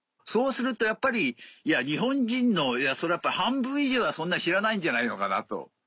そうするとやっぱり日本人の半分以上はそんな知らないんじゃないのかなと。